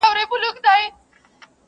ما په سترګو خر لیدلی پر منبر دی!.